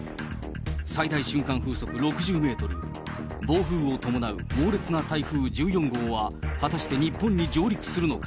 最大瞬間風速６０メートル、暴風を伴う猛烈な台風１４号は、果たして日本に上陸するのか。